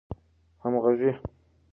همږغۍ